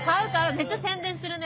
めっちゃ宣伝するね！